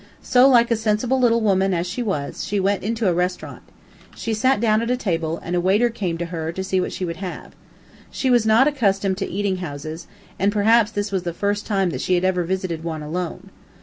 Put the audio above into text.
So, like a sensible little woman as she was, she went into a restaurant. She sat down at a table, and a waiter came to her to see what she would have. She was not accustomed to eating houses, and perhaps this was the first time that she had ever visited one alone.